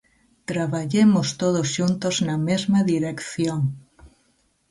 Traballemos todos xuntos na mesma dirección.